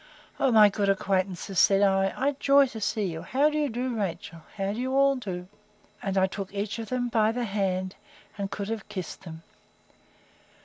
O my good old acquaintances, said I, I joy to see you! How do you do, Rachel? How do you all do? And I took each of them by the hand, and could have kissed them.